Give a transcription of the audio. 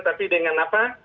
tapi dengan apa